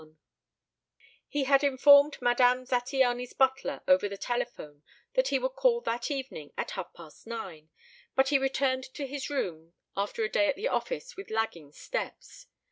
XXI He had informed Madame Zattiany's butler over the telephone that he would call that evening at half past nine, but he returned to his rooms after a day at the office with lagging steps.